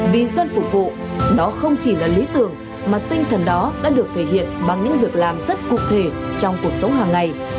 vì dân phục vụ nó không chỉ là lý tưởng mà tinh thần đó đã được thể hiện bằng những việc làm rất cụ thể trong cuộc sống hàng ngày